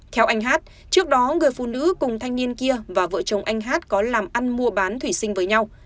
theo anh hát trước đó người phụ nữ cùng thanh niên kia và vợ chồng anh hát có làm ăn mua bán thủy sinh với nhau